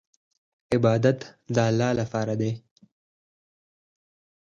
عبادت د الله لپاره دی.